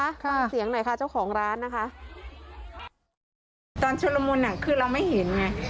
ฟังเสียงหน่อยค่ะเจ้าของร้านนะคะตอนชุดละมุนอ่ะคือเราไม่เห็นไง